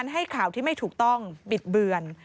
ให้ข่าวที่ไม่ถูกต้องบิดเบือน